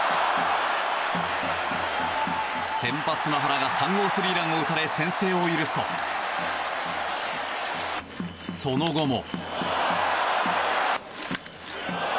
先発、原が３号スリーランを打たれ先制を許すとその後も。